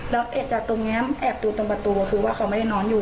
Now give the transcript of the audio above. แล้วแอบจากตรงนี้แอบดูตรงประตูคือว่าเขาไม่ได้นอนอยู่